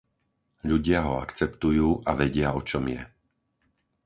Ľudia ho akceptujú a vedia, o čom je.